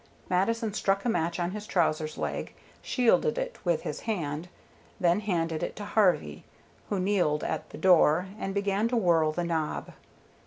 Mattison struck a match on his trousers leg, shielded it with his hands, then handed it to Harvey, who kneeled at the door and began to whirl the knob.